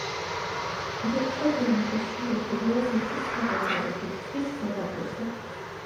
ბრიყვთა გემი შესრულებულია ზეთის საღებავებით ხის ზედაპირზე.